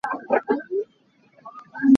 Ping tein an ṭhu.